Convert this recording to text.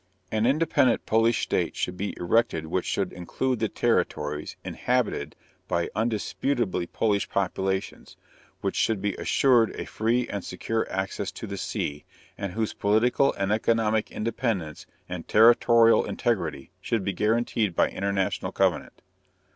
_An independent Polish state should be erected which should include the territories inhabited by indisputably Polish populations, which should be assured a free and secure access to the sea, and whose political and economic independence and territorial integrity should be guaranteed by international covenant.